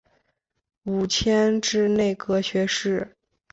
五迁至内阁学士。